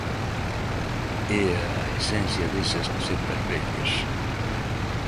É a esencia desas cepas vellas.